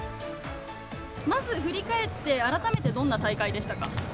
まず振り返って、改めてどんな大会でしたか。